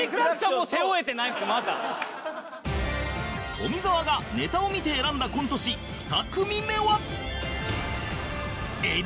富澤がネタを見て選んだコント師２組目は